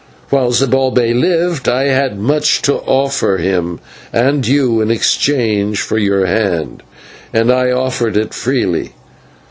While Zibalbay lived I had much to offer him and you in exchange for your hand, and I offered it freely.